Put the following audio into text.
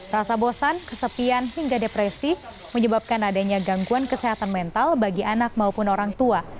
rasa bosan kesepian hingga depresi menyebabkan adanya gangguan kesehatan mental bagi anak maupun orang tua